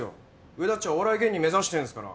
上田っちはお笑い芸人目指してんすから。